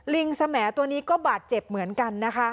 ลิงสะแหมตัวนี้ก็บาดเจ็บเหมือนกัน